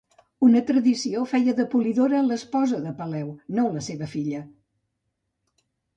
Una tradició feia de Polidora l'esposa de Peleu, no la seva filla.